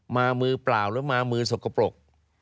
มือเปล่าหรือมามือสกปรก